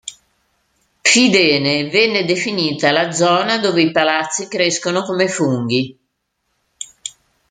Fidene venne definita "la zona dove i palazzi crescono come funghi".